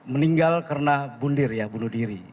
meninggal karena bundir ya bunuh diri